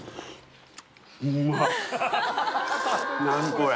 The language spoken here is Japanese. これ。